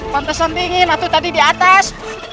pantesan dingin atu tadi di atas